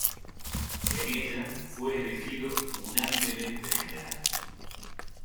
En ella fue elegido unánimemente general.